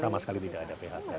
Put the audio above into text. sama sekali tidak ada phk